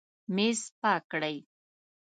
میز پاک کړئ